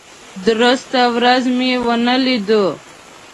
درسته ورځ مې نه لیدو.